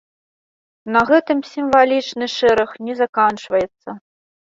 На гэтым сімвалічны шэраг не заканчваецца.